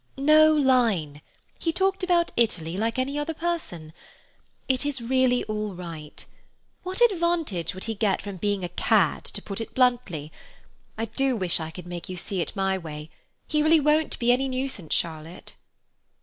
"No line. He talked about Italy, like any other person. It is really all right. What advantage would he get from being a cad, to put it bluntly? I do wish I could make you see it my way. He really won't be any nuisance, Charlotte."